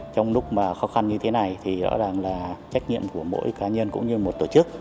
trong lúc mà khó khăn như thế này thì rõ ràng là trách nhiệm của mỗi cá nhân cũng như một tổ chức